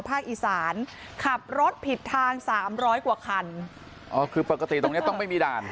อีสานขับรถผิดทางสามร้อยกว่าคันอ๋อคือปกติตรงเนี้ยต้องไม่มีด่าน